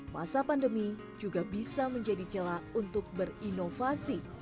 masa pandemi juga bisa menjadi celah untuk berinovasi